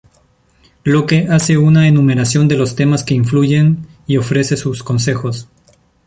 Locke hace una enumeración de los temas que influyen y ofrece sus consejos.